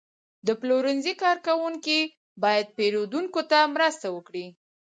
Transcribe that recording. د پلورنځي کارکوونکي باید پیرودونکو ته مرسته وکړي.